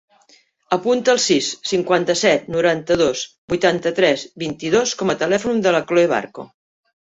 Apunta el sis, cinquanta-set, noranta-dos, vuitanta-tres, vint-i-dos com a telèfon de la Chloé Barco.